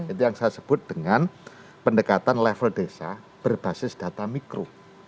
itu yang saya sebut dengan pendekatan level desa berbasis data mikro